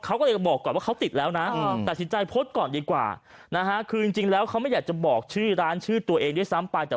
เขาก็เลยบอกก่อนว่าเขาติดแล้วนะตัดสินใจโพสต์ก่อนดีกว่านะฮะคือจริงแล้วเขาไม่อยากจะบอกชื่อร้านชื่อตัวเองด้วยซ้ำไป